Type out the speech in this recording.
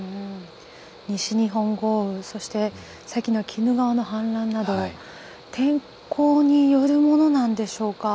西日本豪雨そして先の鬼怒川の氾濫など天候によるものなんでしょうか？